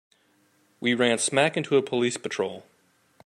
We run smack into a police patrol.